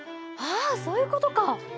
あそういうことか。